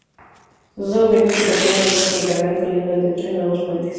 Los dos gobiernos, compartieron el costo del canal, incluyendo el de tres nuevos puentes.